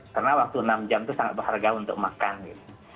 karena waktu enam jam itu sangat berharga untuk makan gitu